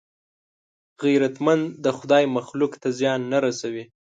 غیرتمند د خدای مخلوق ته زیان نه رسوي